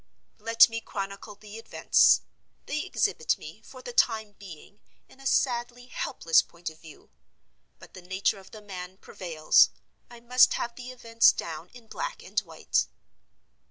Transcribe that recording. Let me chronicle the events. They exhibit me, for the time being, in a sadly helpless point of view. But the nature of the man prevails: I must have the events down in black and white.